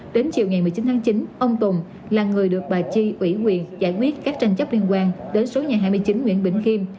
đến chiều ngày một mươi chín tháng chín ông tùng là người được bà chi ủy quyền giải quyết các tranh chấp liên quan đến số nhà hai mươi chín nguyễn bình khiêm